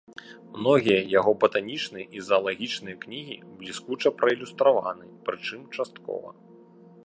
Многія яго батанічныя і заалагічныя кнігі бліскуча праілюстраваны, прычым часткова.